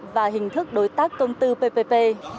và hình thức đối tác công tư ppp